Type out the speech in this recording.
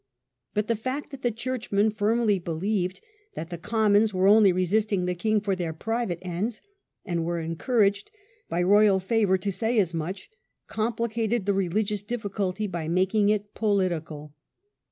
But the fact that the Churchmen firmly be lieved that the Commons were only resisting the king for their private ends, and were encouraged by Royal favour to say as much, complicated the religious difficulty by making it political.